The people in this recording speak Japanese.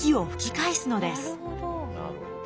なるほど。